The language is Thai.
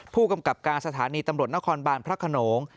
ผู้กำกับการสถานีตำรวจนครบานพระขนง